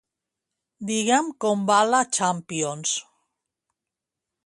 Digue'm com va la Champions.